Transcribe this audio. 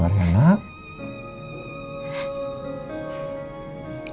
sabar ya nak